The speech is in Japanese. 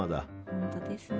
本当ですね。